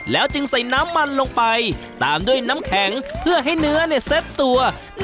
แล้วจึงใส่น้ำมันลงไปตามด้วยน้ำแข็งเพื่อให้เนื้อเซ็ตตัว